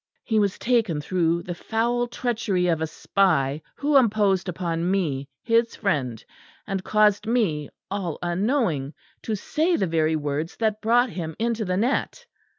"He was taken through the foul treachery of a spy, who imposed upon me, his friend, and caused me all unknowing to say the very words that brought him into the net."